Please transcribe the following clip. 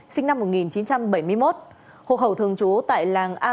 sinh năm một nghìn chín trăm bảy mươi một hộ khẩu thường trú tại làng a